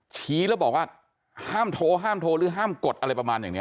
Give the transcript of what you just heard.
ชี้แล้วบอกว่าห้ามโทรห้ามโทรหรือห้ามกดอะไรประมาณอย่างนี้